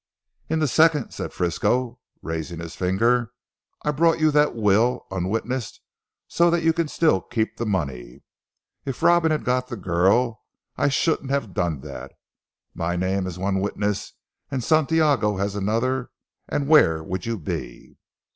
"In the second," said Frisco raising his finger. "I brought you that will unwitnessed so that you can still keep the money. If Robin had got the girl I shouldn't have done that. My name as one witness and Santiago as another, and where would you be?"